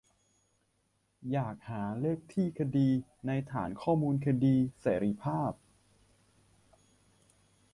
อยากหาเลขที่คดีในฐานข้อมูลคดีเสรีภาพ